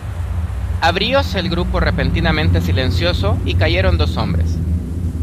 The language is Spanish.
abrióse el grupo repentinamente silencioso, y cayeron dos hombres.